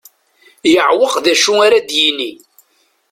Yeɛweq d acu ara d-yini.